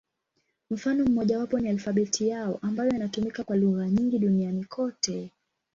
Mfano mmojawapo ni alfabeti yao, ambayo inatumika kwa lugha nyingi duniani kote.